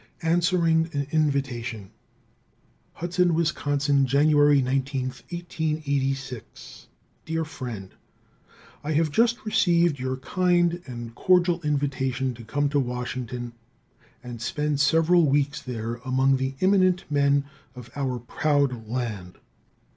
Answering an Invitation. Hudson, Wis., January 19, 1886. Dear friend. I have just received your kind and cordial invitation to come to Washington and spend several weeks there among the eminent men of our proud land.